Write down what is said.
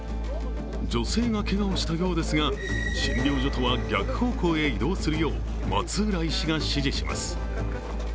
女性がけがをしたようですが診療所とは逆方向へ移動するよう松浦医師が指示します。